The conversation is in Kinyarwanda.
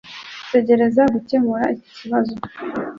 Tugerageza gukemura iki kibazo